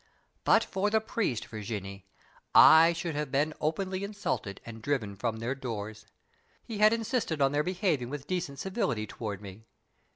"But for the priest, Virginie, I should have been openly insulted and driven from their doors. He had insisted on their behaving with decent civility toward me.